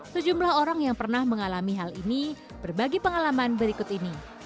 sejumlah orang yang pernah mengalami hal ini berbagi pengalaman berikut ini